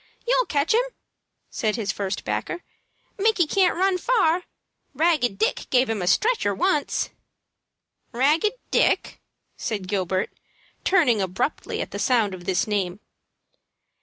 You'll catch him," said his first backer. "Micky can't run far. Ragged Dick give him a stretcher once." "Ragged Dick!" said Gilbert, turning abruptly at the sound of this name.